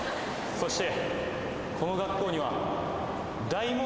そして。